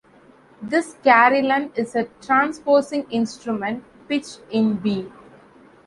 This carillon is a transposing instrument pitched in B.